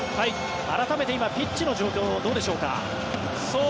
改めて今ピッチの状況どうでしょうか？